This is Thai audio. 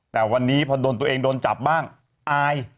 แต่วันนี้พอจบตัวเองบ้างอาย